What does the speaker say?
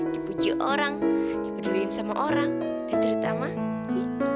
dipuji orang diperluin sama orang dan terutama ini